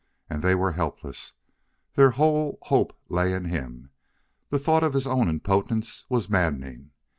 And they were helpless; their whole hope lay in him! The thought of his own impotence was maddening.